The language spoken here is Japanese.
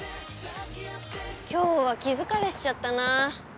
今日は気疲れしちゃったな。